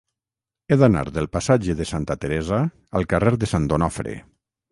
He d'anar del passatge de Santa Teresa al carrer de Sant Onofre.